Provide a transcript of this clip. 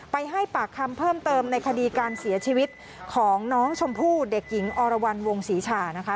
ให้ปากคำเพิ่มเติมในคดีการเสียชีวิตของน้องชมพู่เด็กหญิงอรวรรณวงศรีชานะคะ